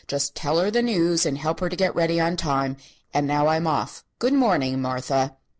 Just tell her the news and help her to get ready on time. And now, I'm off. Good morning, Martha."